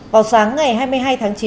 vào sáng ngày hai mươi hai tháng chín